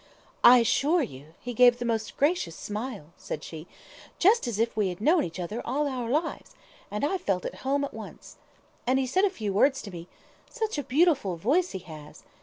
"I assure you, he gave the most gracious smile," she said, "just as if we had known each other all our lives, and I felt at home at once. And he said a few words to me such a beautiful voice he has.